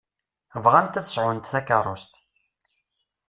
Bɣant ad sɛunt takeṛṛust.